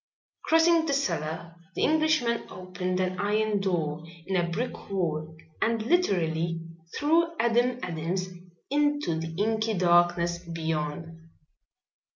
Crossing the cellar the Englishman opened an iron door in a brick wall and literally threw Adam Adams into the inky darkness beyond.